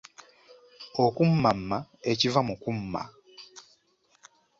Okummamma ekiva mu kumma.